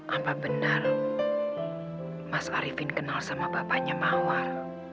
apa benar mas arifin kenal sama bapaknya mawar